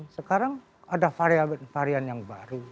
sekarang ada varian yang baru